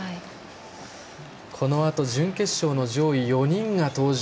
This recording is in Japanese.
このあと準決勝上位４人が登場。